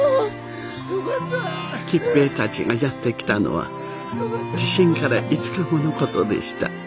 吉平たちがやって来たのは地震から５日後の事でした。